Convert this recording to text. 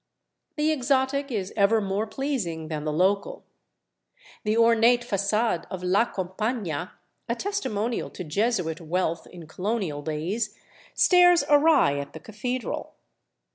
The exotic is ever more pleasing than the local. The ornate f agade of " La Compaiiia," testimonial to Jesuit wealth in colonial days, stares awry at the cathedral.